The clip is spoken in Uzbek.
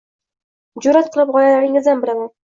Jur’at qilib g‘oyalaringizdan bilaman.